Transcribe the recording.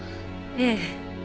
ええ。